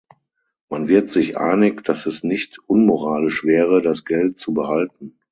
Man wird sich einig, dass es nicht unmoralisch wäre, das Geld zu behalten.